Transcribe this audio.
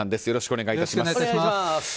よろしくお願いします。